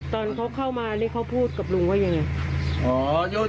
ตอนเขาเข้ามานี่เขาพูดกับลุงว่ายังไง